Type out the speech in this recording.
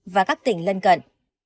và các tỉnh lân cận